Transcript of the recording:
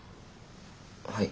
はい。